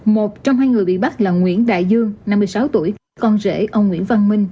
một trong hai người bị bắt là nguyễn đại dương năm mươi sáu tuổi con rễ ông nguyễn văn minh